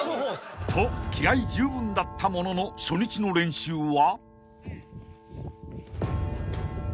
［と気合十分だったものの初日の練習は］